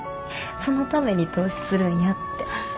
そのために投資するんやって。